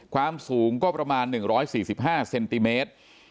ความสูงก็ประมาณ๑๔๕เซนติเมตร